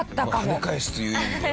跳ね返すという意味では。